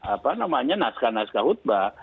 apa namanya naskah naskah khutbah